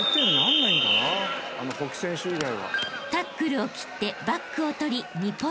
［タックルを切ってバックをとり２ポイント］